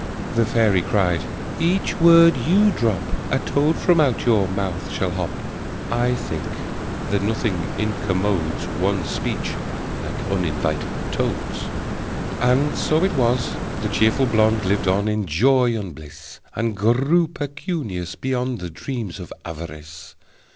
The fairy cried: "Each word you drop, A toad from out your mouth shall hop!" (I think that nothing incommodes One's speech like uninvited toads!) And so it was, the cheerful blonde Lived on in joy and bliss, And grew pecunious, beyond The dreams of avarice!